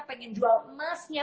pengen jual mobilnya